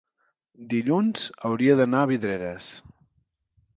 dilluns hauria d'anar a Vidreres.